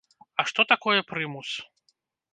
А што такое прымус?